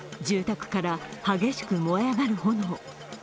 住宅から、激しく燃え上がる炎。